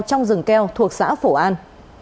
trong rừng keo thuộc xã phổ an